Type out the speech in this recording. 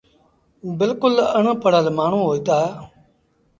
بلڪُل اَڻ پڙهل مآڻهوٚݩ هوئيٚتآ۔